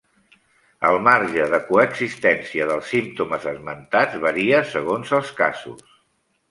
El marge de coexistència dels símptomes esmentats varia segons els casos.